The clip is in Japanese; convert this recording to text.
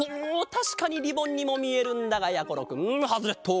たしかにリボンにもみえるんだがやころくんハズレット！